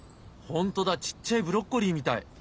本当だちっちゃいブロッコリーみたい。